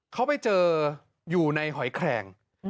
เขาไปเจออยู่ในหอยแคลง